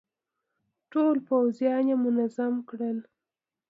ټول پوځيان يې منظم کړل.